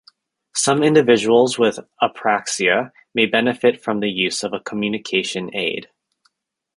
Some individuals with apraxia may benefit from the use of a communication aid.